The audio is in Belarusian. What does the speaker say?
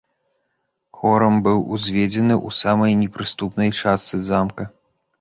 Хорам быў узведзены ў самай непрыступнай частцы замка.